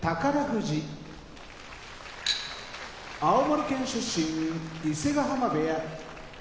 富士青森県出身伊勢ヶ濱部屋